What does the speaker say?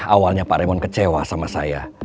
awalnya pak remon kecewa sama saya